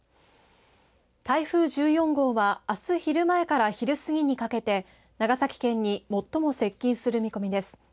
台風１４号はあす昼前から昼過ぎにかけて長崎県に最も接近する見込みです。